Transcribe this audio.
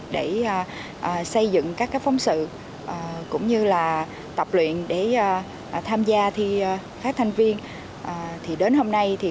để xây dựng các phóng sự cũng như là tập luyện để tham gia thi các thành viên đến hôm nay